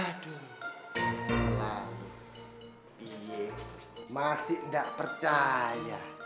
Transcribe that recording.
aduh selalu pie masih gak percaya